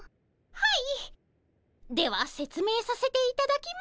はい。